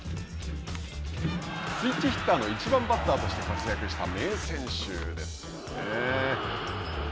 スイッチヒッターの１番バッターとして活躍した名選手ですよね。